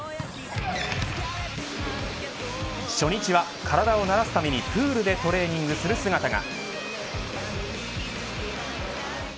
初日は体を慣らすためにプールでトレーニングする姿が。